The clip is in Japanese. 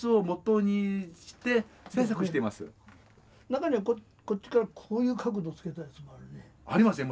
中にはこっちからこういう角度つけたやつもあるね。ありますよ。